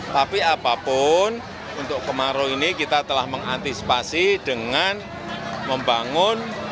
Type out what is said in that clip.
tapi apapun untuk kemarau ini kita telah mengantisipasi dengan membangun